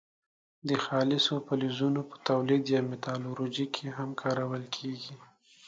د خالصو فلزونو په تولید یا متالورجي کې هم کارول کیږي.